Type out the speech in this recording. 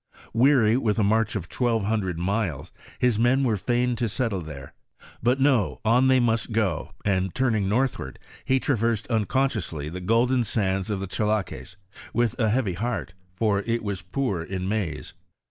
Weary with a march of twelve hundred miles, his men were fain to settle there; but no, on they must. go, and turning northward, he traversed unconsciously the golden sands of the Cha laques, with a heavy heart, for it was poor in maize.